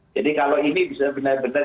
jadi kalau ini bisa benar benar